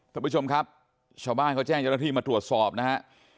ท่านผู้ชมครับชาวบ้านเขาแจ้งเจ้าหน้าที่มาตรวจสอบนะฮะ